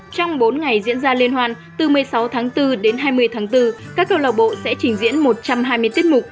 trong bốn ngày diễn ra liên hoan từ một mươi sáu tháng bốn đến hai mươi tháng bốn các câu lạc bộ sẽ trình diễn một trăm hai mươi tiết mục